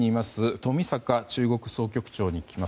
冨坂中国総局長に聞きます。